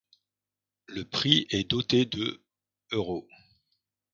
Le Prix est doté de euros.